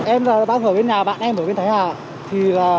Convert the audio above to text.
em đang ở bên nhà bạn em ở bên thái hà